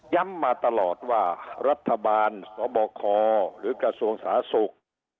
มาตลอดว่ารัฐบาลสบคหรือกระทรวงสาธารณสุข